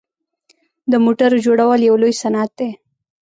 د موټرو جوړول یو لوی صنعت دی.